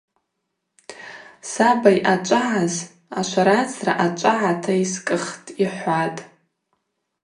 Саба йъачӏвагӏаз – ашварацра ъачӏвагӏата йскӏыхтӏ, – йхӏватӏ.